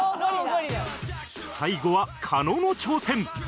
最後は加納の挑戦